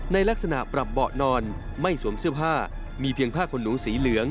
ในลักษณะปรับเบาะนอนไม่สวมเสื้อผ้ามีเพียงผ้าขนหนูสีเหลือง